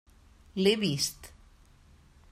L'he vist.